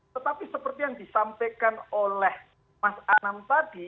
tetapi seperti yang disampaikan oleh mas anam tadi